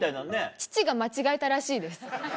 父が間違えたらしいです。